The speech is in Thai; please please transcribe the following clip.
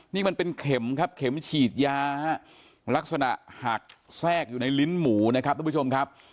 นี่มันเป็นเข็มครับเข็มฉีดยาลักษณะหักแทรกอยู่ในลิ้นหมูนะครับทุกผู้ชมครับ